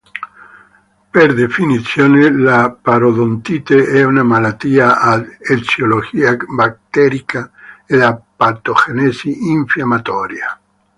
Per definizione la parodontite è una malattia ad eziologia batterica ed a patogenesi infiammatoria.